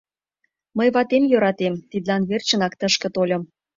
Мый ватем йӧратем, тидлан верчынак тышке тольым.